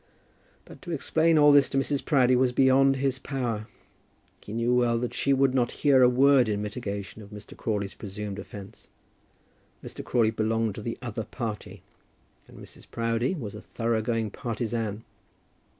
But to explain all this to Mrs. Proudie was beyond his power. He knew well that she would not hear a word in mitigation of Mr. Crawley's presumed offence. Mr. Crawley belonged to the other party, and Mrs. Proudie was a thorough going partisan.